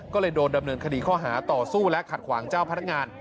ก็เลยโดนดำเนินคดีข้อหาต่อสู้และขัดขวางเจ้าพนักงาน